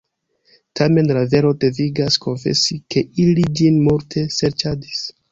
Tamen la vero devigas konfesi, ke ili ĝin multe serĉadis.